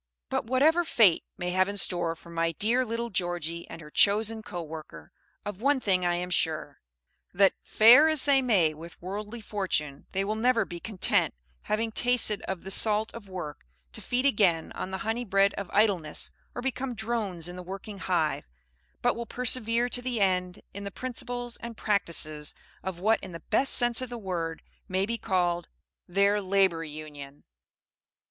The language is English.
But whatever Fate may have in store for my dear little Georgie and her chosen co worker, of one thing I am sure, that, fare as they may with worldly fortune, they will never be content, having tasted of the salt of work, to feed again on the honey bread of idleness, or become drones in the working hive, but will persevere to the end in the principles and practices of what in the best sense of the word may be called their Labor Union.